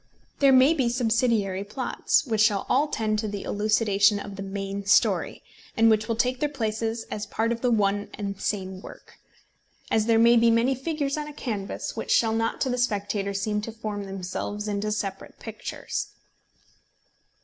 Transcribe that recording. There may be subsidiary plots, which shall all tend to the elucidation of the main story, and which will take their places as part of one and the same work, as there may be many figures on a canvas which shall not to the spectator seem to form themselves into separate pictures.